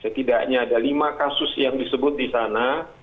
setidaknya ada lima kasus yang disebut di sana